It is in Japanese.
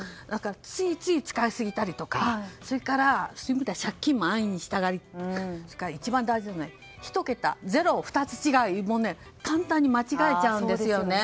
ついつい使いすぎたりとかそれから、借金も安易にしたり一番大事なのは１桁０が２つ違うとか簡単に間違えちゃうんですよね。